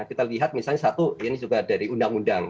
kita lihat misalnya satu ini juga dari undang undang